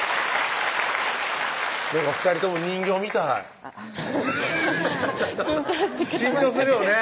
２人とも人形みたい緊張して緊張するよね